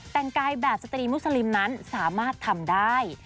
แต่งกายแบบสตรีมุสลิมนั้นสามารถทำได้